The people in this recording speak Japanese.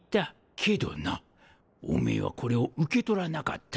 けどなおめぇはこれを受け取らなかった。